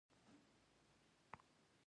دا شهیدان دي